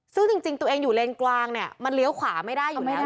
ซึ่งจริงตัวเองอยู่เลนกลางเนี่ยมันเลี้ยวขวาไม่ได้อยู่ไม่ได้